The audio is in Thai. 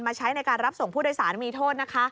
ใช้ในการรับส่งผู้โดยสารมีโทษนะคะ